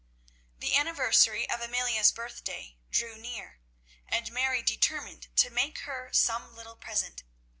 The anniversary of Amelia's birthday drew near, and Mary determined to make her some little present.